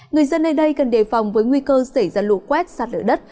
người dân nơi đây cần đề phòng với nguy cơ xảy ra lụ quét sạt lở đất